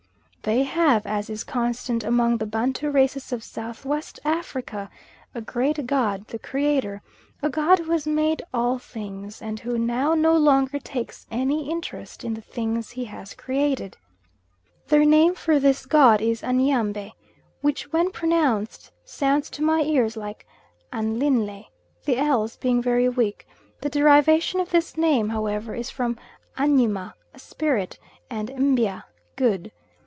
They have, as is constant among the Bantu races of South West Africa, a great god the creator, a god who has made all things, and who now no longer takes any interest in the things he has created. Their name for this god is Anyambie, which when pronounced sounds to my ears like anlynlae the l's being very weak, the derivation of this name, however, is from Anyima a spirit, and Mbia, good.